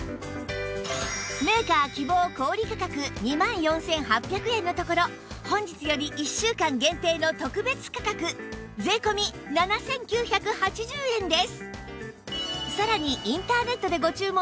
メーカー希望小売価格２万４８００円のところ本日より１週間限定の特別価格税込７９８０円です